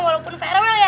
walaupun farewell ya